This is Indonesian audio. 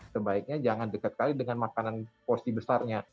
sebaiknya jangan dekat sekali dengan makanan porsi besarnya